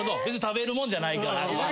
別に食べるもんじゃないから。